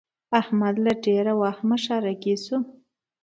احمد له ډېره وهمه ښارګی شو.